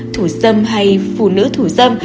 thủ dâm hay phụ nữ thủ dâm